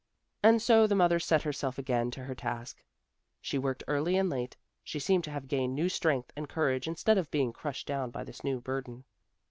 And so the mother set herself again to her task. She worked early and late; she seemed to have gained new strength and courage instead of being crushed down by this new burden.